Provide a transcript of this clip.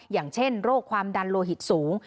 อย่างเช่นโรคความดันโลหิตสูง